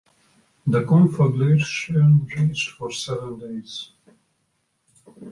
The conflagration raged for seven days.